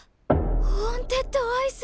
ホーンテッドアイス！